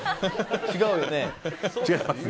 違うよね？